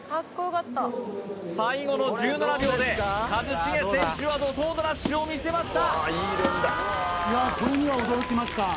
最後の１７秒で一茂選手は怒とうのラッシュを見せましたいやこれには驚きました